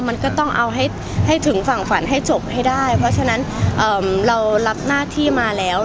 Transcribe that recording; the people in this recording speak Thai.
มันก็ต้องเอาให้ถึงฝั่งฝันให้จบให้ได้เพราะฉะนั้นเรารับหน้าที่มาแล้ว